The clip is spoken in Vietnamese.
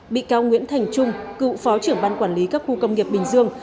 bị cáo nguyễn thành trung cựu phó trưởng ban quản lý các khu công nghiệp bình dương